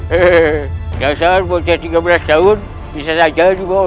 hehehe dasar buatnya tiga belas tahun bisa saja juga